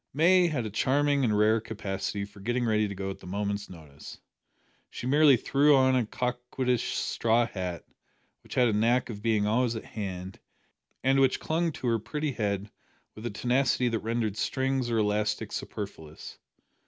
May had a charming and rare capacity for getting ready to go out at a moment's notice. She merely threw on a coquettish straw hat, which had a knack of being always at hand, and which clung to her pretty head with a tenacity that rendered strings or elastic superfluous.